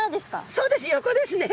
そうです横ですね。